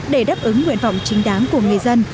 để đáp ứng nguyện vọng chính đáng của người dân